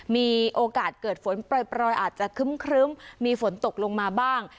มีโอกาสเกิดฝนปล่อยอาจจะครึ้มมีฝนตกลงมาบ้าง